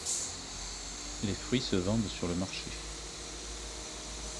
Les fruits se vendent sur le marché.